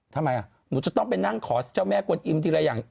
ทำไมหนูจะต้องไปนั่งขอเจ้าแม่กวนอิมทีละอย่าง